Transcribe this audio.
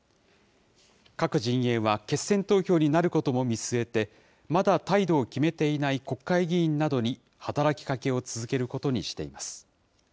各陣営は決選投票になることも見据えて、まだ態度を決めていない国会議員などに働きかけを続けることにしています。